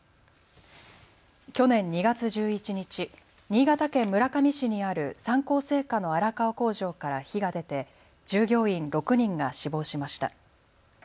去年２月１１日、新潟県村上市にある三幸製菓の荒川工場から火が出て従業員６人が死亡しました。